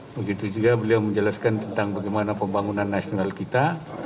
begitu juga beliau menjelaskan tentang bagaimana pembangunan nasional kita